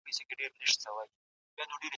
د «افغان» کلمې ساتل او شاملول وو.